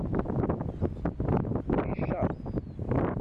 Icaṭ!